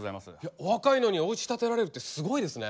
お若いのにおうち建てられるってすごいですね。